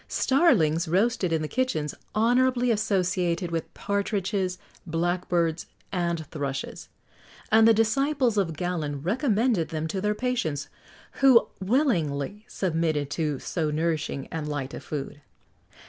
Starlings, roasted in the kitchens, honourably associated with partridges, blackbirds, and thrushes,[XX 62] and the disciples of Galen recommended them to their patients, who willingly submitted to so nourishing and light a food.